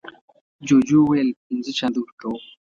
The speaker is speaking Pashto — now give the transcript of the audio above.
جوجو وویل پینځه چنده ورکوم.